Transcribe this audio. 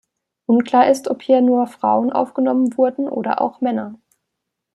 Unklar ist, ob hier nur Frauen aufgenommen wurden oder auch Männer.